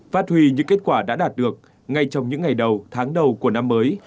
phát huy những kết quả đã đạt được ngay trong những ngày đầu tháng đầu của năm mới